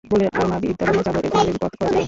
বললে, আরমা বৃন্দাবনে যাব, আমাদের পথখরচ দাও।